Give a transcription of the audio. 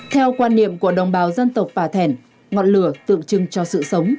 theo quan niệm của đồng bào dân tộc bà thẻn ngọn lửa tượng trưng cho sự sống